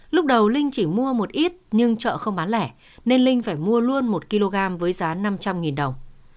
lúc đầu linh chỉ mua một ít nhưng chợ không bán lẻ nên linh phải mua luôn một kg với giá năm trăm linh đồng